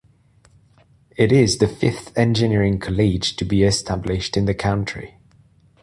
It is the fifth engineering college to be established in the country.